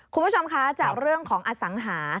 คุณผู้ชมคะจากเรื่องของอสังหา